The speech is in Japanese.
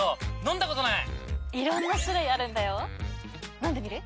飲んでみる？